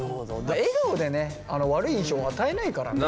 笑顔でね悪い印象与えないからね。